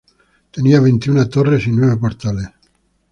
Tenía veintiuna torres y nueve portales.